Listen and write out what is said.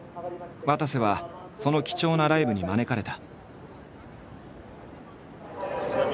わたせはその貴重なライブに招かれた。